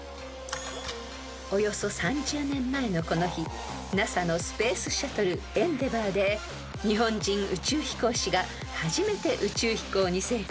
［およそ３０年前のこの日ＮＡＳＡのスペースシャトルエンデバーで日本人宇宙飛行士が初めて宇宙飛行に成功しました］